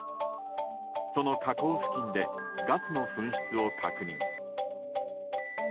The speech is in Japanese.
その火口付近でガスの噴出を確認。